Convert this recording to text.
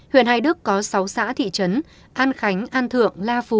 huyện hải đức có sáu xã thị trấn an khánh an thượng la phú